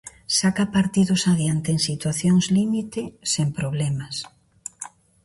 Saca partidos adiante en situacións límite, sen problemas.